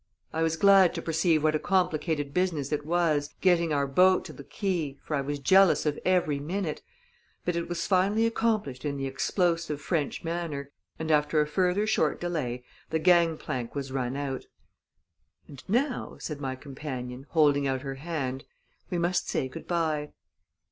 I was glad to perceive what a complicated business it was, getting our boat to the quay, for I was jealous of every minute; but it was finally accomplished in the explosive French manner, and after a further short delay the gang plank was run out. "And now," said my companion, holding out her hand, "we must say good by."